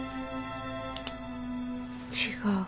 違う。